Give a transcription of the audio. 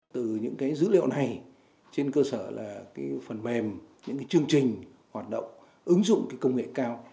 từ những dữ liệu này trên cơ sở là phần mềm những chương trình hoạt động ứng dụng công nghệ cao